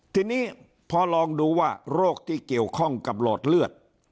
ทีนี้พอลองดูว่าโรคที่เกี่ยวข้องกับหลอดเลือด